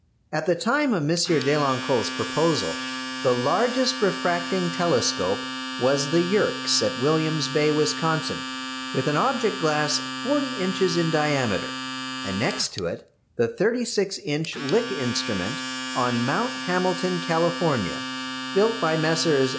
At the time of M. Deloncle's proposal the largest refracting telescope was the Yerkes' at William's Bay, Wisconsin, with an object glass forty inches in diameter; and next to it the 36 inch Lick instrument on Mount Hamilton, California, built by Messrs.